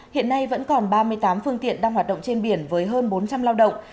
hiện nay vẫn còn ba mươi tám phương tiện đang hoạt động trên biển với hơn bốn trăm linh lao động